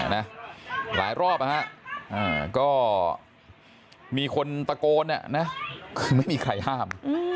แล้วหลายรอบอ่ะก็มีคนตะโกนเนี้ยนะคือไม่มีใครห้าม